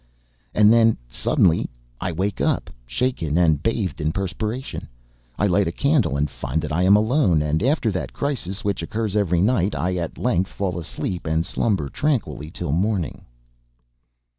And then, suddenly, I wake up, shaken and bathed in perspiration; I light a candle and find that I am alone, and after that crisis, which occurs every night, I at length fall asleep and slumber tranquilly till morning.